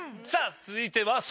さあ続いては。